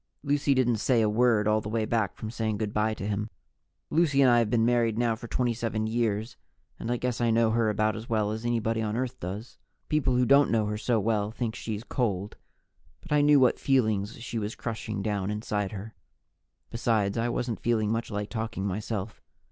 Lucy didn't say a word all the way back from saying good by to him. Lucy and I have been married now for 27 years and I guess I know her about as well as anybody on Earth does. People who don't know her so well think she's cold. But I knew what feelings she was crushing down inside her. Besides, I wasn't feeling much like talking myself.